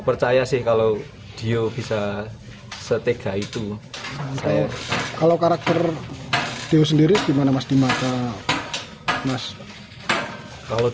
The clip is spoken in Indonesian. percaya sih kalau dio bisa setegah itu kalau karakter video sendiri gimana mas dimana mas kalau